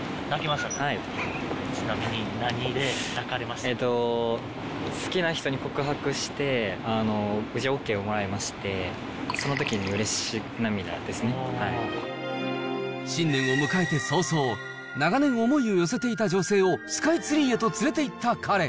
えーと、好きな人に告白して、無事ＯＫをもらいまして、新年を迎えて早々、長年、思いを寄せていた女性をスカイツリーへと連れて行った彼。